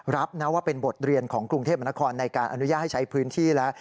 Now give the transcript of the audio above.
รับนะว่าเป็นบทเรียนของกรุงเทพมนครในการอนุญาตให้ใช้พื้นที่แล้ว